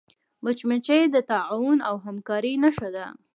مچمچۍ د تعاون او همکاری نښه ده